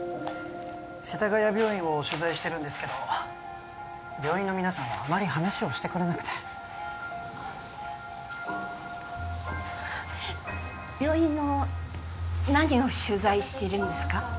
世田谷病院を取材してるんですけど病院の皆さんはあまり話をしてくれなくてあっ病院の何を取材しているんですか？